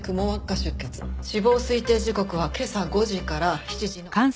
死亡推定時刻は今朝５時から７時の間。